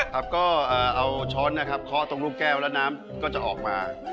ครับก็เอาช้อนนะครับเคาะตรงลูกแก้วแล้วน้ำก็จะออกมา